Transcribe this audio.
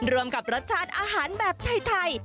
รวมกับรสชาติอาหารแบบไทย